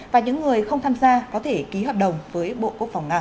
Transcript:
và những người không tham gia có thể ký hợp đồng với bộ quốc phòng nga